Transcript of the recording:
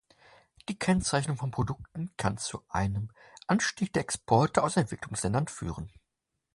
Die Kennzeichnung von Produkten kann zu einem Anstieg der Exporte aus Entwicklungsländern führen.